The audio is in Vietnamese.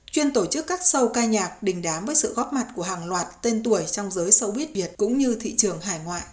chuyên tổ chức các sâu ca nhạc đình đám với sự góp mặt của hàng loạt tên tuổi trong giới sâu buýt việt cũng như thị trường hải ngoại